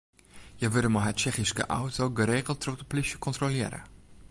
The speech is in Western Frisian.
Hja wurde mei har Tsjechyske auto geregeld troch de plysje kontrolearre.